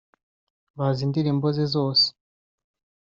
bazi indirimbo ze zose